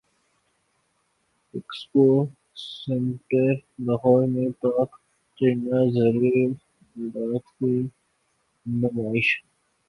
expo centre Lahore میں Pak China زرعی الات کی نمائش